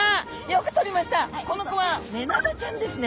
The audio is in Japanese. この子はメナダちゃんですね！